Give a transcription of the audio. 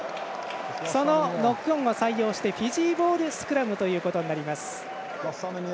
そのノックオンを採用してフィジーボールスクラムということになります。